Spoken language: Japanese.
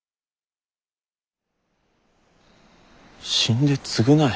死んで償え。